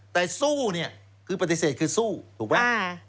แต่สู้เนี่ยคือปฏิเสธคือสู้ถูกไหม